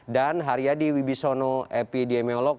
dan haryadi wibisono epidemiolog